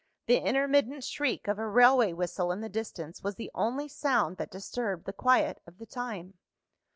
The intermittent shriek of a railway whistle in the distance, was the only sound that disturbed the quiet of the time.